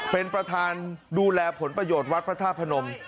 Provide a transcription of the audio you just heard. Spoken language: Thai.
เป็นประธานดูแลผลประโยชน์วัดพระธาตุพนม